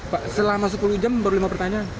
pak selama sepuluh jam baru lima pertanyaan